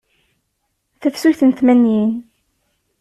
Tafsut n tmanyin.